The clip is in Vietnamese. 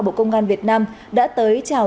bộ công an việt nam đã tới chào